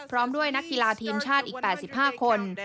พร้อมด้วยนักกีฬาทีมชาติอีก๘๕คน